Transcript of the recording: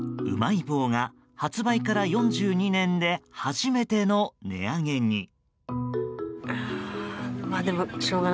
うまい棒が発売から４２年で初めての値上げに。